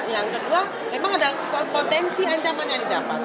yang kedua memang ada potensi ancaman yang didapat